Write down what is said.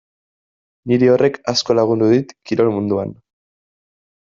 Niri horrek asko lagundu dit kirol munduan.